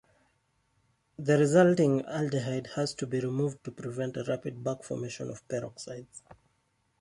The resulting aldehyde has to be removed to prevent a rapid back-formation of peroxides.